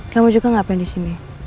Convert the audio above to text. kamu juga ngapain disini